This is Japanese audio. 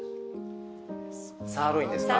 サーロインですか。